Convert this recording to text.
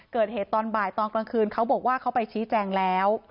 ตอนบ่ายตอนกลางคืนเขาบอกว่าเขาไปชี้แจงแล้ว